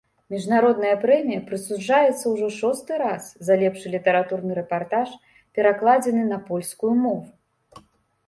Міжнародная прэмія прысуджаецца ўжо шосты раз за лепшы літаратурны рэпартаж, перакладзены на польскую мову.